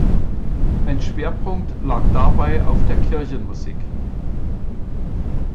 Ein Schwerpunkt lag dabei auf der Kirchenmusik.